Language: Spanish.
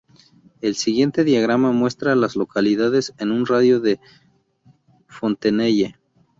El siguiente diagrama muestra a las localidades en un radio de de Fontenelle.